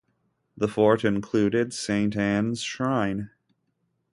The fort included Saint Anne's Shrine.